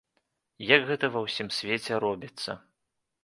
Як гэта ва ўсім свеце робіцца.